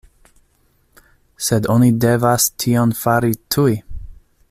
Sed oni devas tion fari tuj!